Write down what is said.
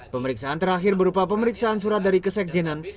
pemeriksaan terakhir berupa pemeriksaan surat dari kesekjenan